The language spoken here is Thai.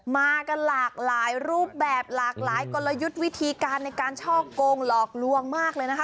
มากันหลากหลายรูปแบบหลากหลายกลยุทธ์วิธีการในการช่อกงหลอกลวงมากเลยนะคะ